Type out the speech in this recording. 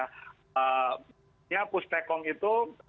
nah ya pustekong itu